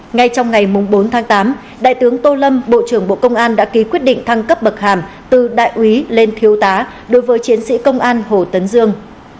ngay trong ngày bốn tháng tám đại tướng tô lâm bộ trưởng bộ công an đã ký quyết định thăng cấp bậc hàm từ đại úy lên thiếu tá đối với chiến sĩ công an hồ tấn dương